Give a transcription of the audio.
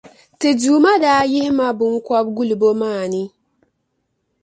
Ti Duuma daa yihi ma biŋkɔbigulibo maa ni.